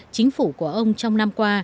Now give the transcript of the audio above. chính phủ của ông trong năm qua